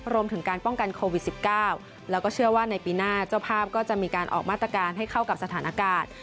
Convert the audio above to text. รวมถึงการป้องกันโควิด๑๙แล้วก็เชื่อว่าในปีหน้าเจ้าภาพก็จะมีการออกมาตรการให้เข้ากับสถานการณ์